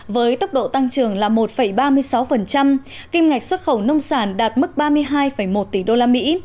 với tốc độ tăng trưởng là một ba mươi sáu kim ngạch xuất khẩu nông sản đạt mức ba mươi hai một tỷ usd